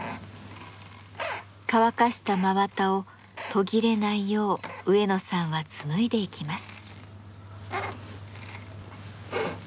乾かした真綿を途切れないよう植野さんは紡いでいきます。